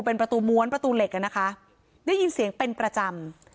เป็นประตูม้วนประตูเหล็กอ่ะนะคะได้ยินเสียงเป็นประจำ